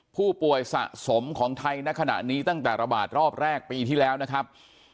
ผู้ป่วยสะสมของไทยในขณะนี้ตั้งแต่ระบาดรอบแรกปีที่แล้วนะครับ